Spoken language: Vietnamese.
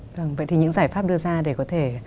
vâng vậy thì những giải pháp đưa ra để có thể